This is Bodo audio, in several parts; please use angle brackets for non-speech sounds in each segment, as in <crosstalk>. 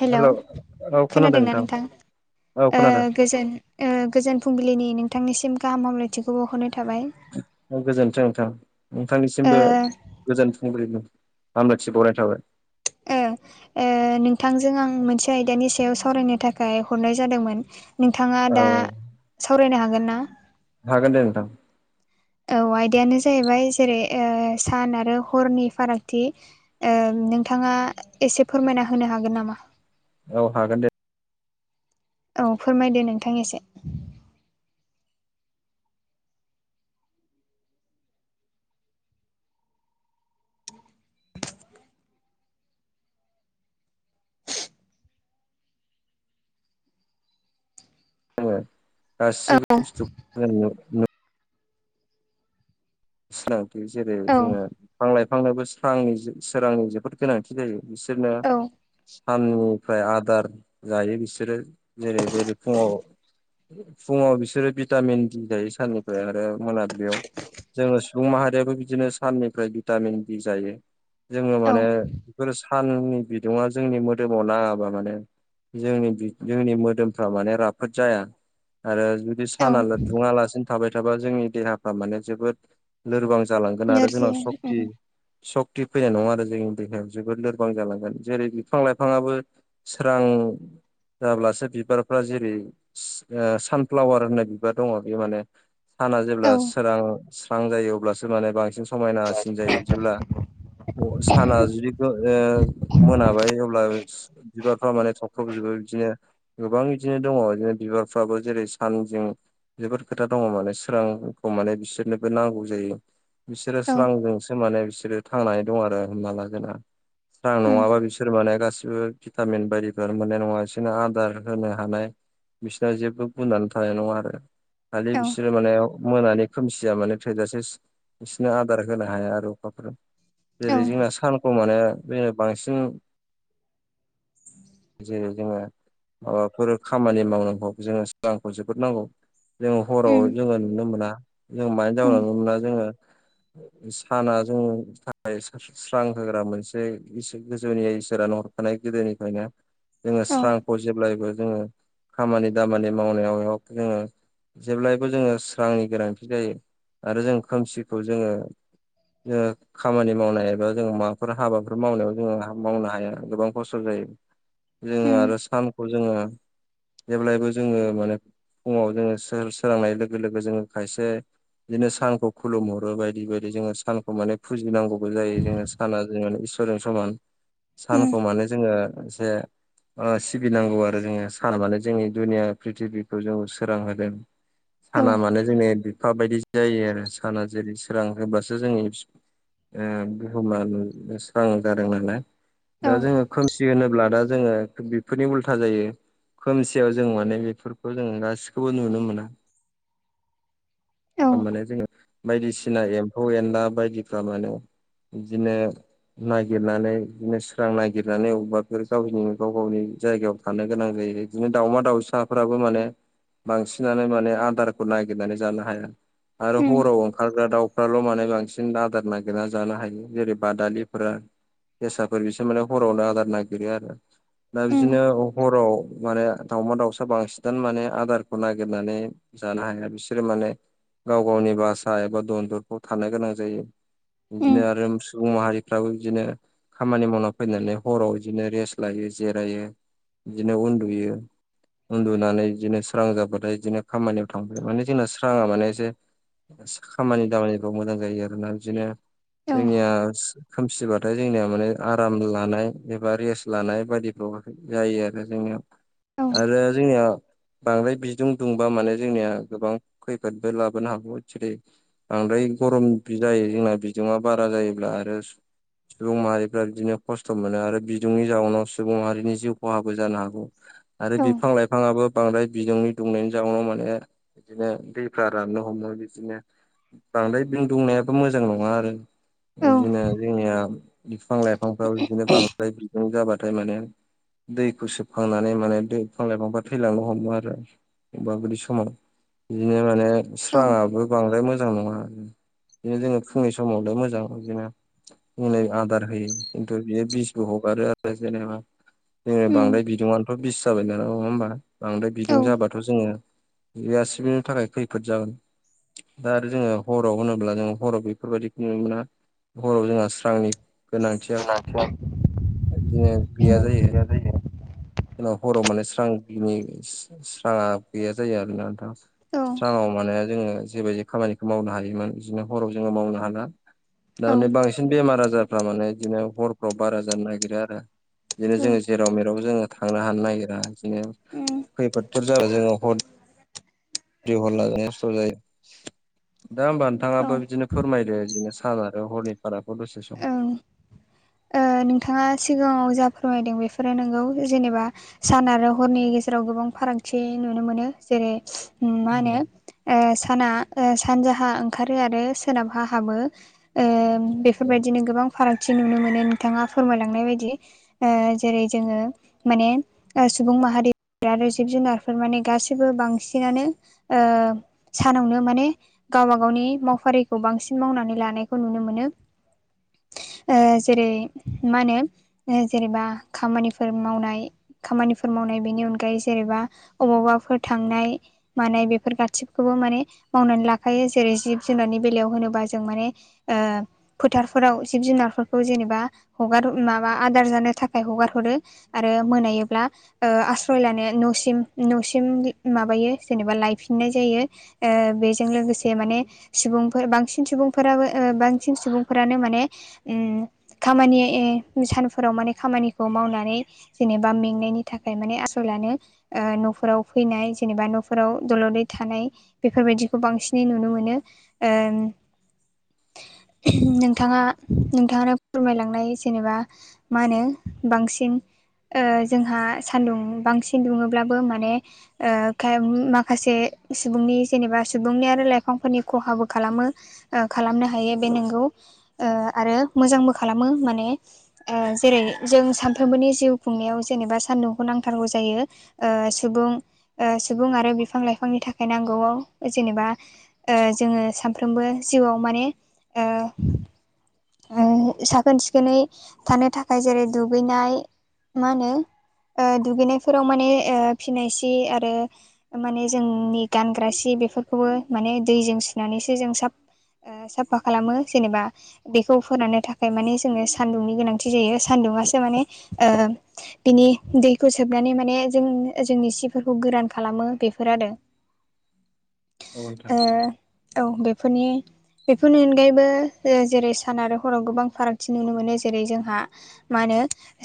हेलौ औ खोनादों खोनादोंना नोंथां औ खोनादों गोजोन गोजोन फुंबिलिनि नोंथांनिसिम गाहामलायथिखौ बावहरनाय थाबाय गोजोनथों नोंथां ओ नोंथांनिसिमबो गोजोनथुंग्रिमोन हामलायथि बावनाय थाबाय ओ नोंथांजों आं मोनसे आयदानि सायाव सावरायनो थाखाय हरनाय जादोंमोन। नोंथाङा औ दा सावरायनो हागोन ना? हागोन दे नोंथां। औ आयदायानो जाहैबाय जेरै ओ सान आरो हरनि फारागथि। ओ नोंथाङा एसे फोरमायना होनो हागोन नामा? औ हागोन दे। औ फोरमायदो नोंथां एसे। जोङो गासिबो बुस्थुखौ <unintelligible> सिनांथि जेरै औ जोङो बिफां लाइफांनोबोनि सोरांनि जोबोद गोनांथि जायो बिसोरनो औ साननिफ्राय आदार जायो बिसोरो जेरै बेल फुङाव फुङाव बिसोरो भिटामिन दि जायो साननिफ्राय आरो मोनाबिलियाव जोङो सुबुं माहारियाबो बिदिनो साननिफ्राय भिटामिन बि जायो जोङो औ माने बेफोर साननि बिदुआ जोंनि मोदोमाव नाङाबा माने जोंनि बि जोंनि मोदोमफ्रा माने राफ फोद जाया आरो जुदि औ सानानो दुङालासिनो थाबाय थाबा जोंनि देहाफ्रा माने जोबोद लोरबां जालांगोन आरो जोंनाव नोरजिया उम सक्ति सक्ति फैनाय नङा आरो जोंनि देहायाव जोबोद लोरबां जालांगोन जेरै बिफां लाइफाङाबो सोरां जाब्लासो बिबारफ्रा जेरै ओ सानफ्लावार होननाय बिबार दङ बे माने साना औ जेब्ला सोरां स्रां जायो अब्लासो माने बांसिन समायनासिन जायो जेब्ला साना जुदि ओ मोनाबाय अब्ला बिबारफ्रा माने थख्रबजोबो बिदिनो गोबां बिदिनो दङ बिदिनो बिबारफ्राबो जेरै सानजों जोबोद खोथा दङ माने सोरांखौ माने बिसोरनोबो नांगौ जायो बिसोरो औ स्रांजों सो माने बिसोरो थांनानै दं आरो होमबाना जोंना स्रां उम नङाबा बिसोर माने गासिबो भिटामिन बायदिफोरानो मोननाय नङा बिसिनो आदार होनो हानाय बिसिनाव जेबो गुनानो थानाय नङा आरो खालि औ बिसोरो माने मोनानि खोमसिया माने थोजासे बिसोरनो आदार होनो हाया आरो अखाफोरा जेरै औ जोंना सानखौ माने बे बांसिन जेरै जोङो माबाफोर खामानि मावनांगौबाबो जोंनो सोरांखौ जोबोद नांगौ। जोङो हराव उम जोङो नुनो मोना जों मानि उम जाउनाव नुनो मोना जोङो साना जों <unintelligible> स्रां होग्रा मोनसे इसो गोजौनिया इसोरानो हरखानाय गोदोनिफ्रायनो। जोङो औ स्रांखौ जेब्लायबो जोङो खामानि दामानि मावनायाव जोंनो जेब्लायबो जोंनो स्रांनि गोनांथि जायो। आरो जों खोमसिखौ जोङो <unintelligible> खामानि मावनाय एबा जों माबाफोर हाबाफोर मावनायाव जोङो हा मावनो हाया गोबां खस्थ' जायो। जोङो उम आरो सानखौ जोङो जेब्लायबो जोङो माने फुङाव जोङो सोर-सोरांनाय लोगो लोगो जोङो खायसे बिदिनो सानखौ खुलुमहरो बायदि बायदि जोङो सानखौ माने फुजिनांगौबो जायो जोङो। साना <unintelligible> इसोरजों समान उम सानखौ माने जोङो एसे ओ सिबिनांगौ आरो जोङो सान माने जोंनि दुनिया प्रिथिबिखौ जों सोरां होदों। औ साना माने जोंनि बिफा बायदि जायो आरो साना जेरै सोरां होबासो जोंनि ओ बुहुमा स्रां जादों नालाय औ दा जोङो खोमसि होनोब्ला दा जोङो बेफोरनि उल्था जायो। खोमसियाव जों माने बेफोरखौ जों गासिखौबो नुनो मोना। औ <unintelligible> जोङो बायदिसिना एम्फौ एनला बायदिफ्रा माने बिदिनो नागिरनानै बिदिनो स्रां नागिरनानै अबाफोर गावनि गाव गावनि जायगायाव थानो गोनां जायो बिदिनो दाउमा दाउसाफोराबो माने बांसिनानो माने आदारखौ नागिरनानै जानो हाया। आरो उम हराव ओंखारग्रा दाउ। फाल' माने बांसिन आदार नागिरना जानो हायो जेरै बादालिफोरा जेसाफोर बिसोर माने हरावनो आदार नागिरो आरो। दा उम बिदिनो हराव माने दावमा दाउसा बांसिनानो माने आदारखौ नागिरनानै जानो हाया बिसोरो माने गाव गावनि बासा एबा दनदरफ्राव थानो गोनां जायो। उम बिदिनो आरो सुबुं माहारिफ्राबो बिदिनो खामानि मावना फैनानै हराव बिदिनो रेस्ट लायो जिरायो बिदिनो उन्दुयो। उन्दुनानै बिदिनो स्रां जाबाथाय बिदिनो खामानियाव थांबाय माने जोंना स्रांआ माने एसे खामानि दामानिफ्राव मोजां जायो आरोना बिदिनो औ जोंनिया खोमसिबाथाय जोंनिया माने आराम लानाय एबा रेस्ट लानाय <unintelligible> जायो आरो जोंनियाव। औ आरो जोंनि बांद्राय बिदुं दुंबा माने जोंनिया गोबां खैफोदबो लाबो नो हागौ <unintelligible> बांद्राय गरम जायो जोंना बिदुंआ बारा जायोब्ला आरो सुबुं माहारिफ्रा बिदिनो खस्थ' मोनो आरो बिदुंनि जाउनाव सुबुं माहारिनि जिउ खहाबो जानो हागौ। आरो औ बिफां लाइफाङाबो बांद्राय बिदुंनि दुंनायनि जाउनाव माने बिदिनो दैफ्रा राननो हमो बिदिनो बांद्राय बिदुं दुंनायाबो मोजां नङा आरो। औ बिदिनो जोंनिया बिफां लाइफांफ्राबो बिदिनो बांद्राय बिदुं जाबाथाय माने दैखौ सोबखांनानै माने दै बिफां लाइफांफ्रा थैलांनो हमो आरो। अबेबा बिदि समाव बिदिनो माने औ स्रांआबो बांद्राय मोजां नङा। बिदिनो जोङो फुंनि समावनो मोजां बिदिनो जोंनो आदार होयो खिन्थु बियो बिसबो हगारो आरो जेनेबा जोङो उम बांद्राय बिदुंआनथ बिस जाबाय ना नङा होमबा बांद्राय औ बिदुं जाबाथ जोङो बे गासिबो थाखाय खैफोद जागोन। दा आरो जोङो हराव होनोब्ला जों हराव बेफोरबायदि नुनो मोना। हराव जोंहा स्रांनि गोनांथिया इदिनो गैया जायो। गोनांथिया गैया उनाव हराव माने स्रांनि स्रांङा गैया जायो आरोना नोंथां। जायो। औ स्रांङाव माने जोङो जेबायदि खामानिखौ मावनो हायोमोन बिदिनो हराव जोङो मावनो हाला। दा औ माने बांसिन बेमार आजारफ्रा माने बिदिनो हरफ्राव बारा जानो नागिरो आरो। बिदिनो औ जोङो जेराव मेराव जोङो थांनो हानो नागिरा बिदिनो उम खैफोदफोर जाबाय जोङो हर <unintelligible> दा होमबा औ नोंथाङाबो बिदिनो फोरमायदो बिदिनो सान आरो हरनि फारागखौ दसे सम। औ ओ नोंथाङा सिगाङाव जा फोरमायदों बेफोरो नोंगौ जेनेबा सान आरो हरनि गेजेराव गोबां फारागथि नुनो मोनो जेरै ओम मा होनो ओ साना सानजाहा ओंखारो आरो सोनाबहा हाबो। ओ बेफोर बायदिनो गोबां फारागथि नुनो मोनो नोंथाङा फोरमायलांनाय बायदि ओ जेरै जोङो माने ओ सुबुं माहारिफोर आरो जिब जुनारफोर माने गासिबो बांसिनानो ओ सानावनो माने गावबा गावनि मावफारिखौ बांसिन मावनानै लानायखौ नुनो मोनो। ओ जेरै मा होनो जेनेबा खामानिफोर मावनाय खामानिफोर मावनाय बेनि अनगायै जेनेबा अबावबाफोर थांनाय मानाय बेफोर गासैखौबो माने मावनानै लाखायो जेरै जिब जुनारनि बेलायाव होनोबा जों माने ओ फोथारफोराव जिब जुनारफोरखौ जेनेबा हगार माबा आदार जानो थाखाय हगार हरो आरो मोनायोब्ला ओ आस्रय लानो नसिम नसिम माबायो जेनेबा लायफिननाय जायो। ओ बेजों लोगोसे माने सुबुंफोर बांसिन सुबुंफोराबो ओ बांसिन सुबुंफोरानो माने ओम खामानि ए सानफोराव माने खामानिखौ मावनानै जेनेबा मेंनायनि थाखाय माने आस्रय लानो ओ नफोराव फैनाय जेनेबा नफोराव दलदै थानाय बेफोर बायदिखौ बांसिनै नुनो मोनो। ओं नोंथाङा नोंथाङा आरो फोरमायलांनाय जेनेबा मा होनो बांसिन ओ जोंहा सानदुं बांसिन दुङोब्लाबो माने ओ खाय माखासे सुबुंनि जेनेबा सुबुंनि आरो लाइफांफोरनि खहाबो खालामो। ओ खालामनो हायो बे नोंगौ ओ आरो मोजांबो खालामो माने ओ जेरै जों सानफ्रोमबोनि जिउ खुंनायाव जेनेबा सान्दुंखौ नांथारगौ जायो। ओ सुबुं ओ सुबुं आरो बिफां लाइफांनि थाखाय नांगौआव जेनेबा ओ जोङो सानफ्रोमबो जिउआव माने ओ ओ साखोन सिखोनै थानो थाखाय जेरै दुगैनाय मा होनो ओ दुगैनायफोराव माने ओ फिनाय सि आरो माने जोंनि गानग्रा सि बेफोरखौबो माने दैजों सुनानैसो जों ओ साफा खालामो जेनेबा बेखौ फोराननो थाखाय मानि जोङो सान्दुंनि गोनांथि जायो सान्दुंङासो माने ओ बिनि दैखौ सोबनानै माने जों जोंनि सिफोरखौ गोरान खालामो बेफोर आरो। औ नोंथां ओ औ बेफोरनि बेफोरनि अनगायैबो जेरै सान आरो हराव गोबां फारागथि नुनो मो मोनो जेरै जोंहा मा होनो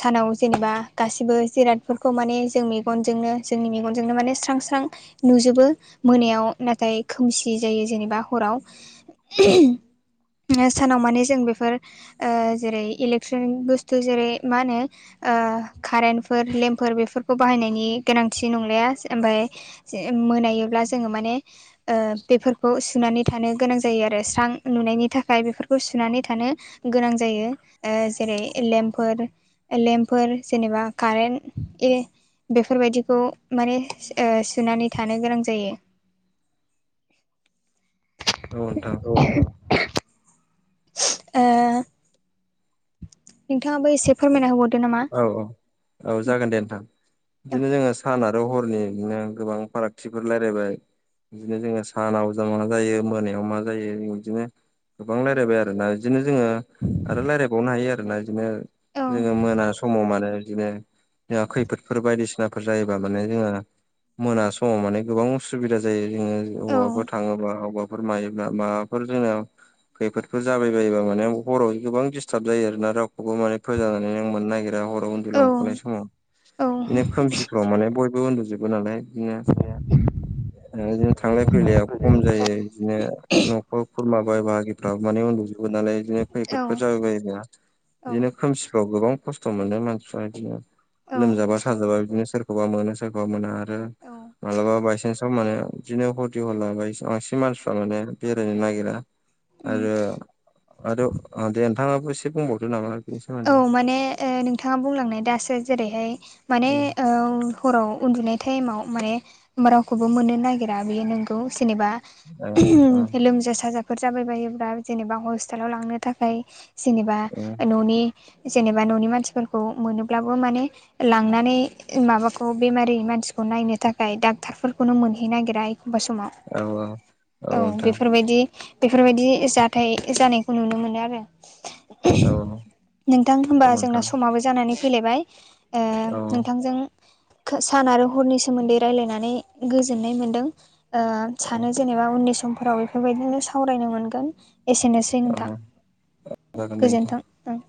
सानाव जेनेबा गासिबो जिरादफोरखौ माने जों मेगनजोंनो जोंनि मेगनजोंनो माने स्रां स्रां नुजोबो मोनायाव नाथाय खोमसि जायो जेनेबा हराव। सानाव माने जों बेफोर जेरै इलेकट्रनिक बुस्थु जेरै मा होनो ओ कारेन्टफोर लेम्पफोर बेफोरखौ बाहायनायनि गोनांथि नंलाया ओमफ्राय जे मोनायोब्ला जोङो माने ओ बेफोरखौ सुनानै थानो गोनां जायो आरो स्रां नुनायनि थाखाय बेफोरखौ सुनानै थानो गोनां जायो। ओ जेरै लेम्पफोर लेम्पफोर जेनेबा कारेन्ट ए बेफोरबायदिखौ माने सुनानै थानो गोनां जायो। <unintelligible> <inaudible> ओ नोंथाङाबो एसे फोरमायना होबावदो नामा? औ औ औ जागोन दे। इदिनो जोङो सान आरो हरनि इदिनो गोबां फारागथिफोर राय्लायबाय। इदिनो जोङो सानाव जों मा जायो मोनायाव मा जायो इदिनो गोबां रायलायबाय आरो ना। इदिनो जोङो आरो रायलायबावनो हायो आरोना बिदिनो औ औ जोङो मोनास इदिनो जोंहा खैफोदफोर बायदिसिनाफोर जायोबा माने जोङो मोना समाव माने गोबां उसुबिदा जायो जोङो औ अबाफोर थाङोबा बहा गोमायोब्ला माबाफोर जोंङो खैफोदफोर जाबाय बायोबा माने हराव गोबां दिडिस्टार्ब जायो आरोना। रावखौबो माने फोजनानै नों मोननो नागिर दा हराव उन्दुलांफानाय समाव औ औ बिनो खोमसिफ्राव माने बयबो उन्दुजोबो नालाय। बिदिनो ओ जों थांलाय फैलाया खम जायो बिदिनो न'खर खुरमा बाय बाहागिफ्रा माने उन्दुजोबो नालाय बिदिनो खैफोदफोर जाबाय बायोबा बिदिनो खोमसिफ्राव गोबां खस्थ' मोनो मानसिफ्रा बिदिनो औ लोमजाबा साजाबा बिदिनो सोर सोरखौबा मोनो सोरखौबा मोना आरो मालाबा बायसान्साव माने बिदिनो हरदि हरला बा बांसिन मानसिफ्रा माने बेरायनो नागिरा। उम आरो आरो ओ दे नोंथाङाबो एसे बुंबावदो नामा? बेनि औ सोमोन्दै माने नोंथाङा बुंलांनाय दासो जेरैहाय माने हराव उन्दुनाय टाइमाव माने रावखौबो मोननो नागिरा बेयो नोंगौ जेनेबा औ औ लोमजा साजाफोर जाबाय बायोब्ला जेनेबा हस्टेलाव लांनो थाखाय जेनेबा न'नि जेनेबा न'नि मानसिफोरखौ मोनोब्लाबो माने लांनानै माबाखौ बेमारि मानसिखौ नायनो थाखाय डाक्टरफोरखौनो मोनहै नागिरा एखमबा समाव औ औ बेफोरबायदि बेफोरबायदि जाथाय जानायखौ नुनो मोनो आरो। औ। नोंथां औ होनबा जोंना नोंथां समाबो जानानै फैलायबाय ओ औ नोंथांजों सान आरो हरनि सोमोन्दै रायलायनानै गोजोननाय मोनदों। ओ औ सानो जेनेबा उननि समफोराव बेफोरबायदिनो सावरायनो मोनगोन एसेनोसै। नोंथां औ जागोन दे गोजोन्थों ।